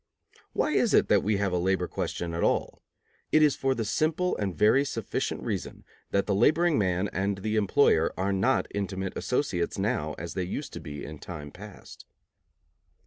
Why is it that we have a labor question at all? It is for the simple and very sufficient reason that the laboring man and the employer are not intimate associates now as they used to be in time past.